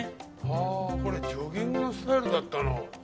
ああこれジョギングのスタイルだったの。